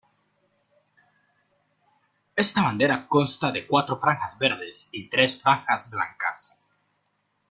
Esta bandera consta de cuatro franjas verdes y tres franjas blancas.